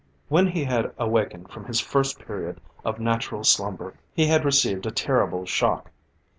When he had awakened from his first period of natural slumber, he had received a terrible shock.